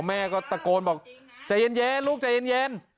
แม่ก็ตะโกนบอกใจเย็นลูกใจเย็น